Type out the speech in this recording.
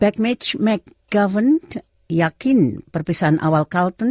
backmatch mcgovern yakin perpisahan awal carlton